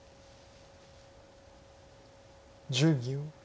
１０秒。